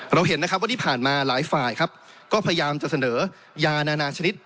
เห็นนะครับว่าที่ผ่านมาหลายฝ่ายครับก็พยายามจะเสนอยานานาชนิด